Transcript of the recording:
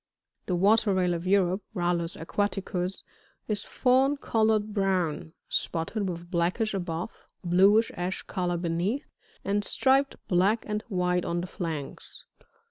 59. The Water Fail of Europe;— Rallus aqvaticus, — is fawn coloured brown, spotted with blackish above, bluish ash colour beneath, and striped black and white on the flanks.